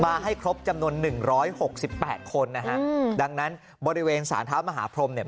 มาให้ครบจำนวน๑๖๘คนนะฮะดังนั้นบริเวณสารท้าวมหาพรมเนี่ย